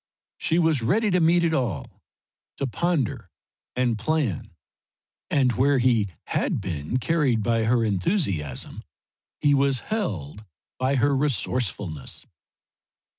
She was ready to meet it all, to ponder and plan. And where he had been carried by her enthusiasm he was held by her resourcefulness.